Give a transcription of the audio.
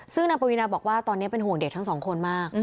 ซึ่งนางปวีนาบอกว่าตอนนี้เป็นห่วงเด็กทั้งสองคนมาก